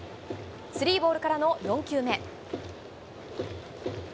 スリーボールからの４球目。